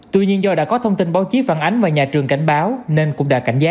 tuy nhiên do đã có thông tin báo chí phản ánh và nhà trường cảnh báo nên cũng đã cảnh giác